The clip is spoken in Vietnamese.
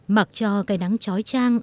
mặc cho cây nắng trói trang